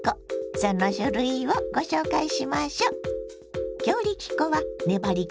その種類をご紹介しましょ。